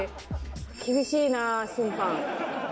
厳しいな、審判。